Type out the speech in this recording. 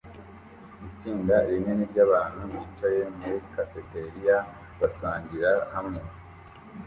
Itsinda rinini ryabantu bicaye muri cafeteria basangira hamwe